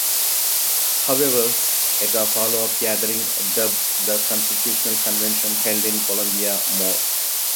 However, at a follow-up gathering dubbed The Constitutional Convention, held in Columbia, Mo.